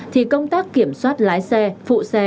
thì công tác kiểm soát lái xe phụ xe